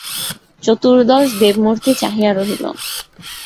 চতুর্দশ দেবমূর্তি চাহিয়া রহিল।